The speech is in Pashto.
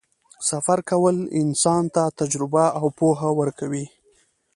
سفر کول انسان ته تجربه او پوهه ورکوي.